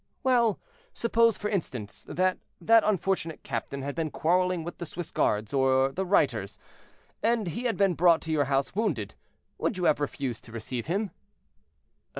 "Well! suppose, for instance, that that unfortunate captain had been quarreling with the Swiss guards or the Reiters, and he had been brought to your house wounded, would you have refused to receive him?"